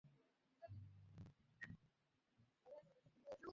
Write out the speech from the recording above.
তিনি স্বাধীনতা সংগ্রামী শান্তিসুধা ঘোষের মাতা।